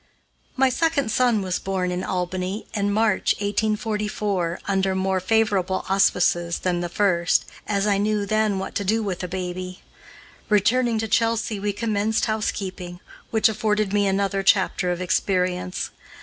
My second son was born in Albany, in March, 1844, under more favorable auspices than the first, as I knew, then, what to do with a baby. Returning to Chelsea we commenced housekeeping, which afforded me another chapter of experience.